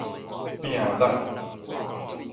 拚力